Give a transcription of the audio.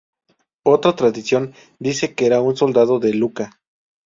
Otra tradición dice que era un soldado de Lucca.